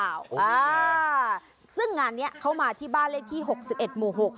อ้าวซึ่งงานนี้เขามาที่บ้านเลขที่๖๑หมู่๖